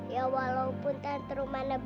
ya walaupun tante rumana banyak ook